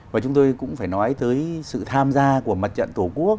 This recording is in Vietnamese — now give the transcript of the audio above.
và chúng tôi cũng phải nói tới sự tham gia của mặt trận tổ quốc